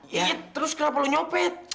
ya terus kenapa perlu nyopet